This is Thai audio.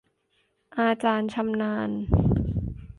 อาจารย์ชำนาญ